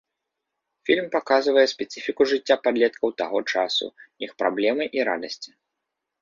Фільм паказвае спецыфіку жыцця падлеткаў таго часу, іх праблемы і радасці.